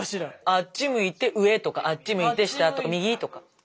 あっち向いて上とかあっち向いて下とか右とか全部言ってね。